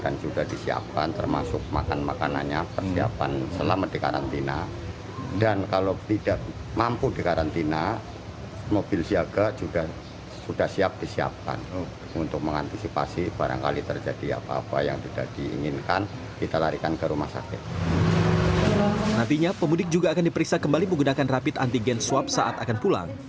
nantinya pemudik juga akan diperiksa kembali menggunakan rapid antigen swab saat akan pulang